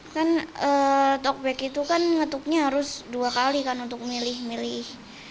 kan tokback itu kan ngetuknya harus dua kali kan untuk milih milih